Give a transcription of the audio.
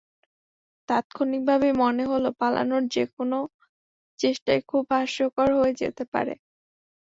তাত্ক্ষণিকভাবেই মনে হলো পালানোর যেকোনো চেষ্টাই খুব হাস্যকর হয়ে যেতে পারে।